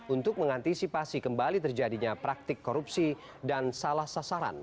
untuk mengantisipasi kembali terjadinya praktik korupsi dan salah sasaran